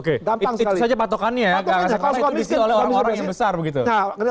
itu saja patokannya nggak rasa keadilan itu disini oleh orang orang yang besar